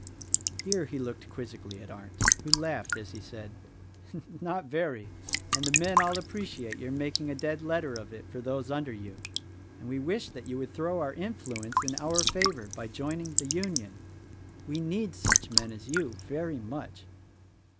Here he looked quizzically at Arndt, who laughed as he said, "Not very; and the men all appreciate your making a dead letter of it for those under you, and we wish that you would throw your influence in our favor by joining the Union. We need such men as you very much."